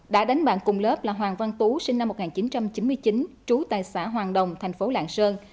đã đánh bạn cùng lớp là hoàng văn tú sinh năm một nghìn chín trăm chín mươi chín trú tại xã hoàng đồng thành phố lạng sơn